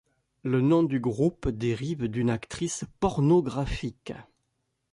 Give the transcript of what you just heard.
Le nom du groupe dérive d', une actrice pornographique.